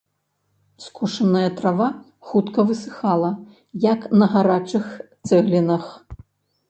Скошаная трава хутка высыхала, як на гарачых цэглінах.